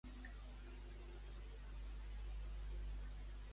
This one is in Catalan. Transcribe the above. Què esperaven obtenir d'aquesta manera els ens organitzadors?